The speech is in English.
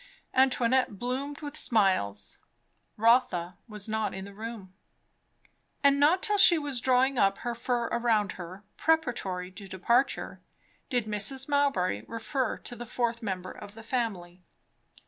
Antoinette bloomed with smiles. Rotha was not in the room. And not till she was drawing up her fur around her, preparatory to departure, did Mrs. Mowbray refer to the fourth member of the family.